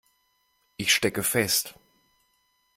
Ich stecke fest.